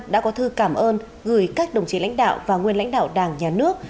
đã có thư cảm ơn gửi các đồng chí lãnh đạo và nguyên lãnh đạo đảng nhà nước